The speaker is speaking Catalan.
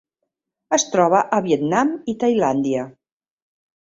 Es troba a Vietnam i Tailàndia.